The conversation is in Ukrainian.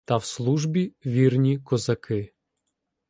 Та в службі вірні козаки.